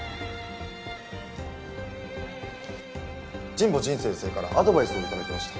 神保仁先生からアドバイスをいただきました。